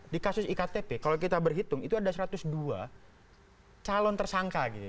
di kasus iktp kalau kita berhitung itu ada satu ratus dua calon tersangka gitu